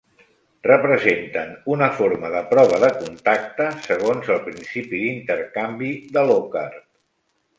Representen una forma de prova de contacte segons el principi d'intercanvi de Locard.